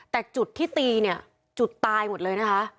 แต่จุดที่ตีเนี่ยจุดตายหมดเลยนะคะ